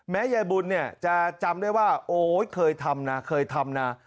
แม้ยายบุญจะจำด้วยว่าเคยทำนะเคยทำนะ